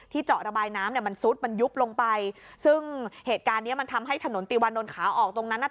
เจาะระบายน้ำเนี่ยมันซุดมันยุบลงไปซึ่งเหตุการณ์เนี้ยมันทำให้ถนนตีวานนท์ขาออกตรงนั้นน่ะ